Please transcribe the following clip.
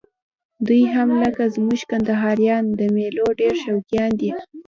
دوی هم لکه زموږ کندهاریان د میلو ډېر شوقیان دي.